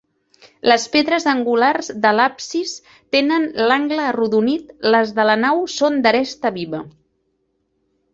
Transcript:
Les pedres angulars de l'absis tenen l'angle arrodonit; les de la nau són d'aresta viva.